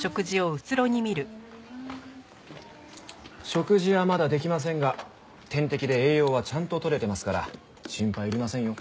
食事はまだできませんが点滴で栄養はちゃんと取れてますから心配いりませんよ。